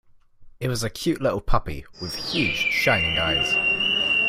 It was a cute little puppy, with huge shining eyes.